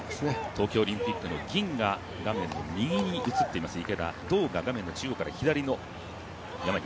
東京オリンピックの銀が画面の右に移っています池田、銅が画面中央から左の山西。